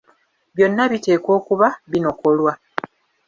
Byonna biteekwa okuba binokolwa.